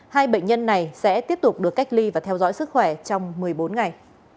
hai bệnh nhân này sẽ tiếp tục được cách ly và theo dõi sức khỏe trong một mươi bốn ngày